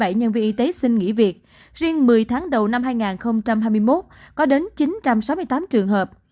bảy nhân viên y tế xin nghỉ việc riêng một mươi tháng đầu năm hai nghìn hai mươi một có đến chín trăm sáu mươi tám trường hợp